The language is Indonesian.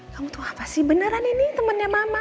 kamu tahu apa sih beneran ini temennya mama